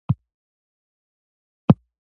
د پښتنو په کلتور کې دین او دنیا دواړه مهم دي.